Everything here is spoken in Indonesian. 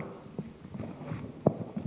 sebetulnya secara rasmi